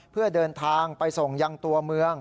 เพื่อเดินทางไปส่งยังตัวเมือง